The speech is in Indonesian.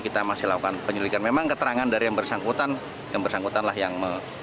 kita masih lakukan penyelidikan memang keterangan dari yang bersangkutan yang bersangkutan lah yang